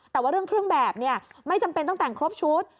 แต่ว่าเรื่องเครื่องแบบไม่จำเป็นต้องแต่งครบชุด